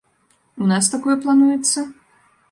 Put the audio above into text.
У нас такое плануецца?